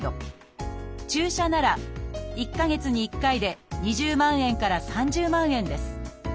注射なら１か月に１回で２０万円から３０万円です。